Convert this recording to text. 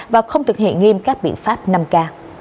và không thực hiện nghiêm các biện pháp năm k